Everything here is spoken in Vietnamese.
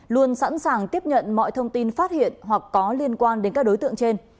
luôn sẵn sàng tiếp nhận mọi thông tin phát hiện hoặc có liên quan đến các đối tượng trên